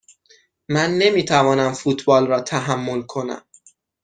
من نمی توانم فوتبال را تحمل کنم.